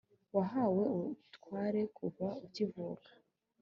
wahawe ubutware kuva ukivuka